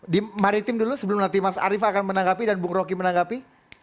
di maritim dulu sebelum nanti mas arief akan menanggapi dan bung roky menanggapi